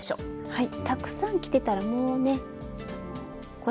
はい。